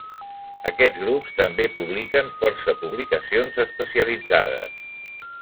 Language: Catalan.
Aquests grups també publiquen força publicacions especialitzades.